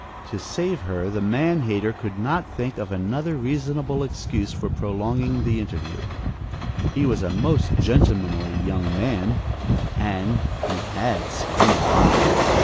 To save her, the man hater could not think of another reasonable excuse for prolonging the interview. He was a most gentlemanly young man, and he had splendid eyes!